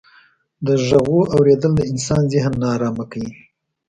د ږغو اورېدل د انسان ذهن ناآرامه کيي.